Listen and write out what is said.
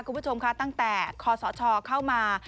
คุณผู้ชมคะตั้งแต่คศเข้ามา